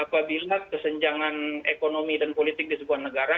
apabila kesenjangan ekonomi dan politik di sebuah negara